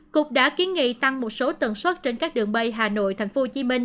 cục đã kiến nghị tăng một số tần suất trên các đường bay hà nội tp hcm